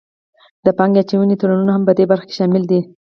د پانګې اچونې تړونونه هم پدې برخه کې شامل دي